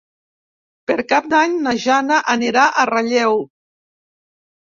Per Cap d'Any na Jana anirà a Relleu.